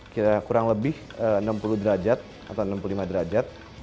kita kurang lebih enam puluh derajat atau enam puluh lima derajat